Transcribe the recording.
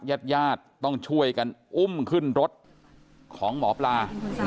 ญาติญาติต้องช่วยกันอุ้มขึ้นรถของหมอปลา